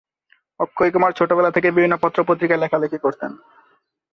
অক্ষয়কুমার ছোটবেলা থেকেই বিভিন্ন পত্রপত্রিকায় লেখালেখি করতেন।